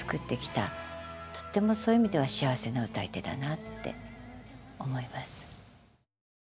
とってもそういう意味では幸せな歌い手だなって思います。